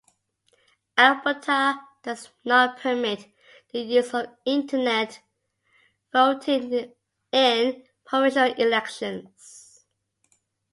Alberta does not permit the use of Internet voting in provincial elections.